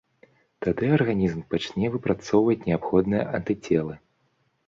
Тады арганізм пачне выпрацоўваць неабходныя антыцелы.